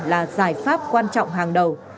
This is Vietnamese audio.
là giải pháp quan trọng hàng đầu